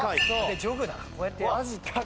でジョグだからこうやって。